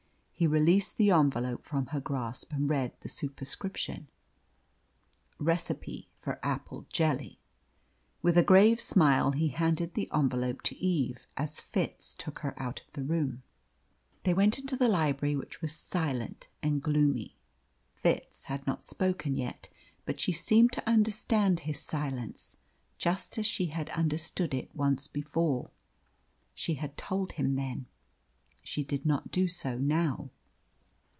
He released the envelope from her grasp and read the superscription, "Recipe for apple jelly." With a grave smile he handed the envelope to Eve as Fitz took her out of the room. They went downstairs together, and both were thinking of D'Erraha. They went into the library, which was silent and gloomy. Fitz had not spoken yet, but she seemed to understand his silence, just as she had understood it once before. She had told him then. She did not do so now.